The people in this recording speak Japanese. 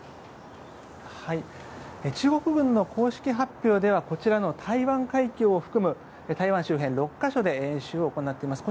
中国軍の公式発表ではこちらの台湾海峡を含む台湾周辺６か所で演習を行っています。